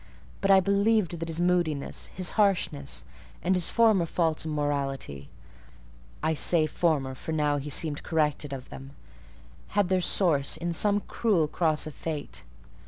But I believed that his moodiness, his harshness, and his former faults of morality (I say former, for now he seemed corrected of them) had their source in some cruel cross of fate.